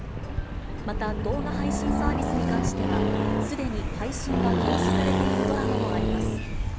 また動画配信サービスに関しては、すでに配信が停止されているドラマもあります。